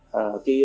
cái vụ trọng án này